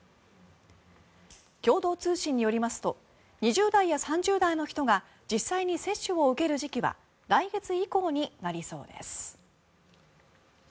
共同通信によりますと２０代や３０代の人が実際に接種を受ける時期は来月以降になりそうです。